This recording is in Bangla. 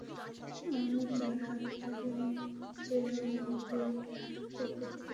আমি তার হাত ধরলাম, যে আঙুল দিয়ে হাত টিপে দিলো।